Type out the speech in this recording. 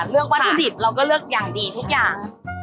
เชื่อว่าวัตถิดเราก็เลือกอย่างดีทุกอย่าง